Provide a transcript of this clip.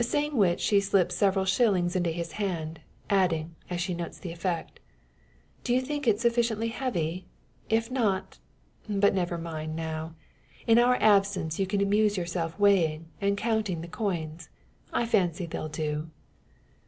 Saying which, she slips several shillings into his hand, adding, as she notes the effect, "Do you think it sufficiently heavy? If not but never mind now. In our absence you can amuse yourself weighing, and counting the coins. I fancy they'll do."